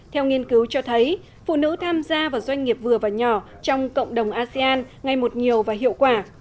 theo nghiên cứu cho thấy phụ nữ tham gia vào doanh nghiệp vừa và nhỏ trong cộng đồng asean ngày một nhiều và hiệu quả